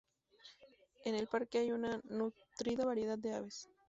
En el parque hay una nutrida variedad de aves.